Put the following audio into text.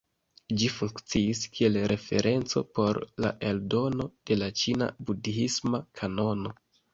Ĝi funkciis kiel referenco por la eldono de la ĉina budhisma kanono.